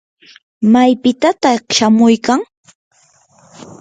¿maypitataq shamuykan?